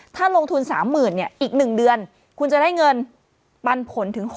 ถ้าลงทุน๓๐๐๐เนี่ยอีก๑เดือนคุณจะได้เงินปันผลถึง๖๐๐